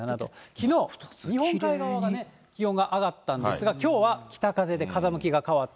きのう、日本海側がね、気温が上がったんですが、きょうは北風で風向きが変わって。